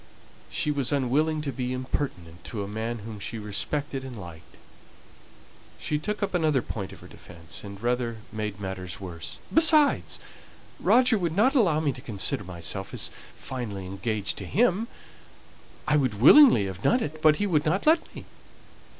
She was unwilling to be impertinent to a man whom she respected and liked. She took up another point of her defence, and rather made matters worse. "Besides, Roger would not allow me to consider myself as finally engaged to him; I would willingly have done it, but he would not let me."